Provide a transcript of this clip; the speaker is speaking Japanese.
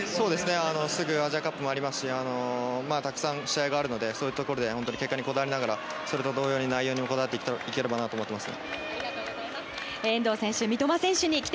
すぐアジアカップもありますしたくさん、試合があるのでそういうところで結果にこだわりながらそれと同様に内容にもこだわっていければなと思います。